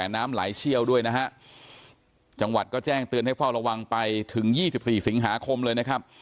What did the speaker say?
น้ำไหลเชี่ยวด้วยนะฮะจังหวัดก็แจ้งเตือนให้เฝ้าระวังไปถึง๒๔สิงหาคมเลยนะครับ